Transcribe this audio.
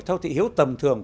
theo thị hiếu tầm thường